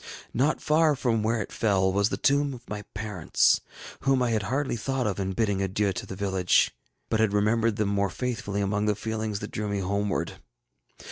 Not far from where it fell was the tomb of my parents, whom I had hardly thought of in bidding adieu to the village, but had remembered them more faithfully among the feelings that drew me homeward.